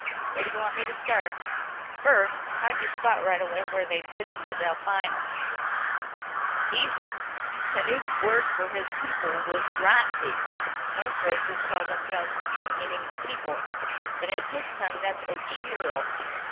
"Where do you want me to start?" "First, how'd you spot right away where they'd hidden the Delphinus?" "Easy. Tanub's word for his people was Grazzi. Most races call themselves something meaning The People. But in his tongue that's Ocheero.